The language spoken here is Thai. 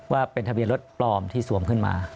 ว่าเป็นทะเบียนรถปลอมที่สวมขึ้นมา